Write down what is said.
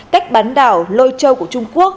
cách bán đảo lôi châu của trung quốc